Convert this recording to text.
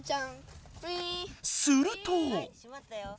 すると。